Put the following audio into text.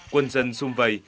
quân dân xung vầy